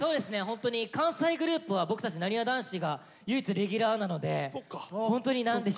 ホントに関西グループは僕たちなにわ男子が唯一レギュラーなのでホントに何でしょう